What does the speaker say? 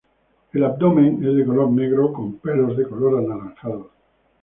El abdomen es de color negro con pelos de color anaranjado.